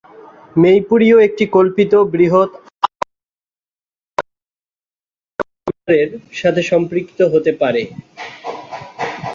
মেইপুরীয় একটি কল্পিত বৃহৎ-আরাওয়াক গোষ্ঠীর অন্যান্য ভাষা পরিবারের সাথে সম্পর্কিত হতে পারে।